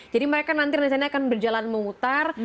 jadi mereka nanti nanti akan berjalan memutar